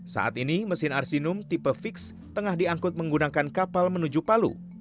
saat ini mesin arsinum tipe fix tengah diangkut menggunakan kapal menuju palu